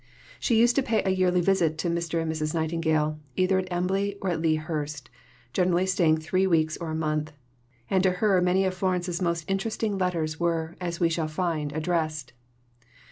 She used to pay a yearly visit to Mr. and Mrs. Nightingale, either at Embley or at Lea Hurst, generally staying three weeks or a month; and to her many of Florence's most interesting letters were, as we shall find, addressed.